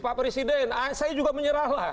pak presiden saya juga menyerahlah